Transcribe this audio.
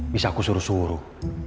bisa aku suruh suruh